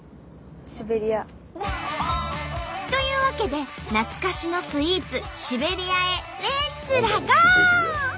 シベリア。というわけで懐かしのスイーツ「シベリア」へレッツラゴー！